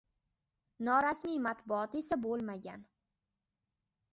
norasmiy matbuot esa bo‘lmagan!